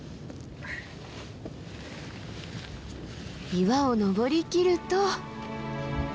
岩を登りきると。